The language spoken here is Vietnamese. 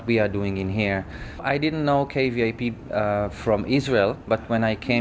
tôi không biết về kvip từ israel nhưng khi tôi đến đây